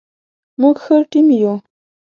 موږ ښه ټیم یو